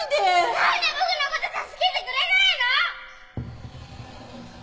何で僕のこと助けてくれないの！